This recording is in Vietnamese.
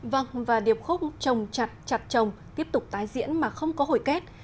vâng và điệp khúc trồng chặt chặt trồng tiếp tục tái diễn mà không có hồi kết